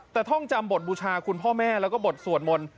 แต่ท่องจำบทบูชาคุณพ่อแม่แล้วก็บทสวดมนต์